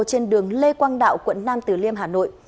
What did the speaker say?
trên đường lê quang đạo quận nam tử liêm hà nội